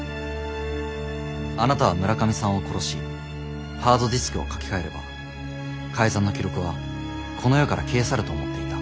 あなたは村上さんを殺しハードディスクを書き換えれば改ざんの記録はこの世から消え去ると思っていた。